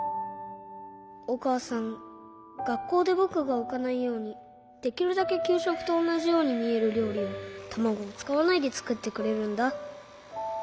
おかあさんがっこうでぼくがうかないようにできるだけきゅうしょくとおなじようにみえるりょうりをたまごをつかわないでつくってくれるんだ。